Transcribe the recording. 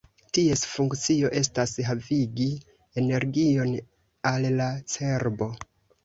Ties funkcio estas havigi energion al la cerbo.